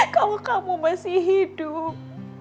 kalau kamu masih hidup